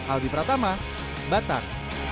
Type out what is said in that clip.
aldi pratama batak